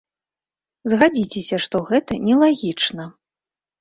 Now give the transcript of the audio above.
Згадзіцеся, што гэта нелагічна.